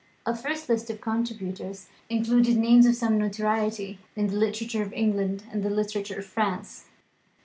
A first list of contributors included names of some notoriety in the literature of England and the literature of France.